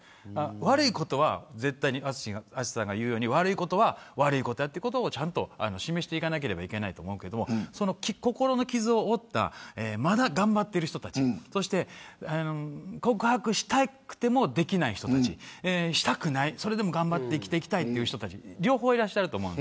悪いことは絶対に淳さんが言うように悪いことは悪いことだということを示していかなければいけないと思うけど心の傷を負ったまだ頑張っている人たちそして告白したくてもできない人たちしたくない、それでも頑張って生きていきたいという人たち両方いらっしゃると思う。